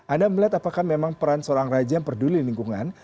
anda melihat apakah memang peran seorang raja yang peduli lingkungan